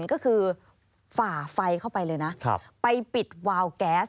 ก็คือฝ่าไฟเข้าไปเลยนะไปปิดวาวแก๊ส